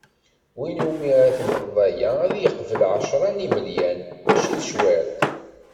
Win umi ara temleḍ aya ad yeqbel, ɛecra n yimelyan! Mačči d cwiṭ.